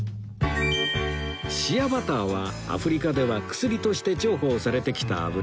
シアバターはアフリカでは薬として重宝されてきた油